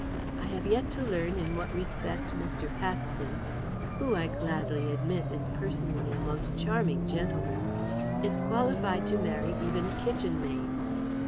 I have yet to learn in what respect Mr. Paxton who, I gladly admit, is personally a most charming gentleman is qualified to marry even a kitchen maid.